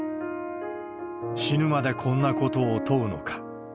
死ぬまでこんなことを問うのか。